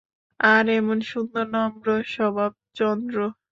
আর এমন সুন্দর নম্র স্বভাব– চন্দ্র।